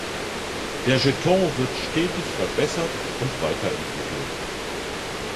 Der Jeton wird stetig verbessert und weiterentwickelt.